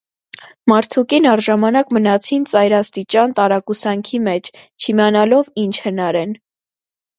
Մարդ ու կին առժամանակ մնացին ծայր աստիճան տարակուսանքի մեջ, չիմանալով ի՜նչ հնարեն: